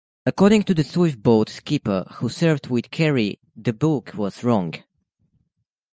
According to the Swiftboat skipper who served with Kerry, the book was wrong.